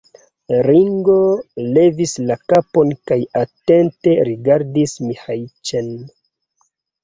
Ringo levis la kapon kaj atente rigardis Miĥeiĉ'n.